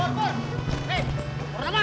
hei bu rama